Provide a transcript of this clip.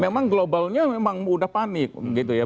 memang globalnya memang udah panik gitu ya